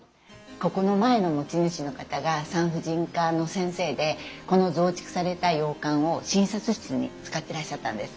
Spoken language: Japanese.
ここの前の持ち主の方が産婦人科の先生でこの増築された洋館を診察室に使ってらっしゃったんです。